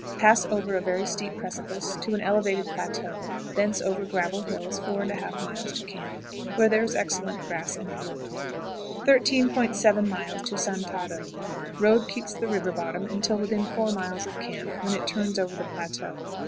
Pass over a very steep precipice to an elevated plateau, thence over gravel hills 4 1/2 miles to camp, where there is excellent grass and wood. 13.70. Santado. Road keeps the river bottom until within four miles of camp, when it turns over the plateau.